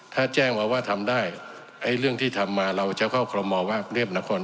ถ้าแจ้งมาว่าทำได้ไอ้เรื่องที่ทำมาเราจะเข้าคอรมอว่าเรียบนคร